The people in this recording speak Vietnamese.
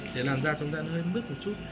để làn da chúng ta hơi mứt một chút